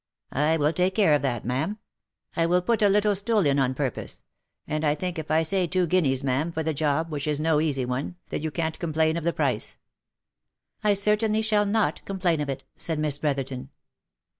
" I will take care of that, ma'am. I will put a little stool in on purpose — and I think if I say two guineas, ma'am, for the job, which is no easy one, that you can't complain of the price." " I certainly shall not complain of it," said Miss Brotherton.